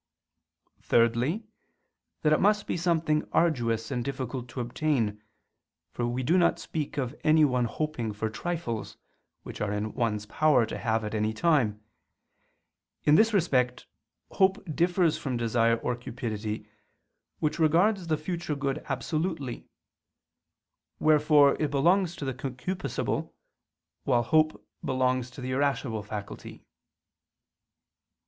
Thirdly, that it must be something arduous and difficult to obtain, for we do not speak of any one hoping for trifles, which are in one's power to have at any time: in this respect, hope differs from desire or cupidity, which regards the future good absolutely: wherefore it belongs to the concupiscible, while hope belongs to the irascible faculty.